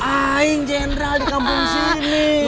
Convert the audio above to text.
aing general dikabung sini